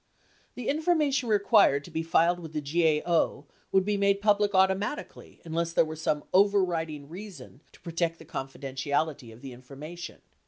The information required to be filed with the GAO would be made public automatically unless there were some overriding reason to protect the confidentiality of the information.